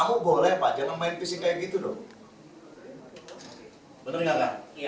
ngamuk boleh pak jangan main visi kayak gitu dong